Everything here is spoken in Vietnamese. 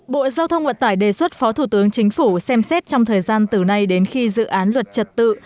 bộ giao thông vận tải đề xuất phó thủ tướng chính phủ xem xét trong thời gian từ nay đến khi dự án luật trật tự